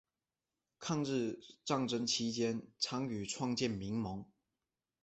抗日战争期间参与创建民盟。